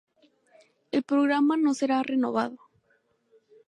El programa no será renovado.